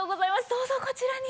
どうぞこちらに。